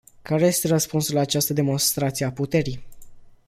Care este răspunsul la această demonstrație a puterii?